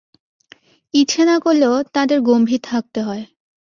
ইচ্ছে না-করলেও তাঁদের গম্ভীর থাকতে হয়।